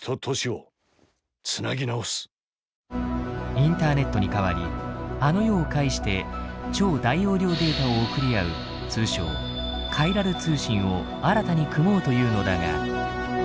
インターネットにかわりあの世を介して超大容量データを送り合う通称「カイラル通信」を新たに組もうというのだが。